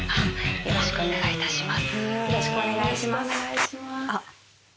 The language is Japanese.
よろしくお願いします。